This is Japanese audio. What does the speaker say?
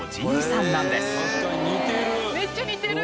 確かに似てる。